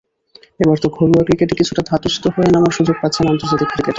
এবার তো ঘরোয়া ক্রিকেটে কিছুটা ধাতস্থ হয়ে নামার সুযোগ পাচ্ছেন আন্তর্জাতিক ক্রিকেটে।